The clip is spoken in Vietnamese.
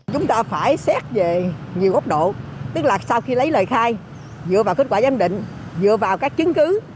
chúng ta phải xét về nhiều góc độ tức là sau khi lấy lời khai dựa vào kết quả giám định dựa vào các chứng cứ